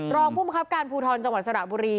ลองผู้มัวกราบการภูทรจังหวันสระบุรี